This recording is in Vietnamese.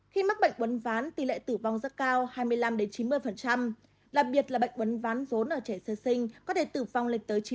khi mắc bệnh quấn ván tỷ lệ tử vong rất cao hai mươi năm chín mươi đặc biệt là bệnh bấn ván rốn ở trẻ sơ sinh có thể tử vong lên tới chín mươi